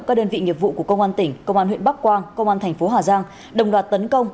các đơn vị nghiệp vụ của công an tỉnh công an huyện bắc quang công an thành phố hà giang đồng đoạt tấn công